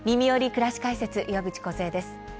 くらし解説」岩渕梢です。